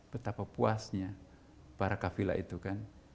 betapa puasnya para kafila itu kan